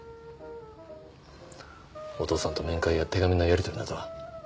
お父さんと面会や手紙のやり取りなどは？